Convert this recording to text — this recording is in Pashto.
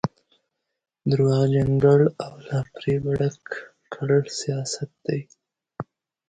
درواغجن ګړ او له فرېبه ډک کړ سیاست دی.